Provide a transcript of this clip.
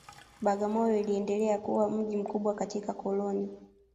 Bagamoyo iliendelea kuwa mji mkubwa katika koloni